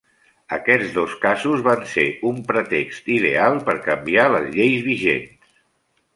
Aquests dos casos van ser un pretext ideal per canviar les lleis vigents.